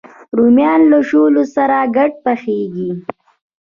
رومیان له شولو سره ګډ پخېږي